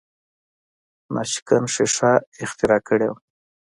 ناشکن ښیښه اختراع کړې وه.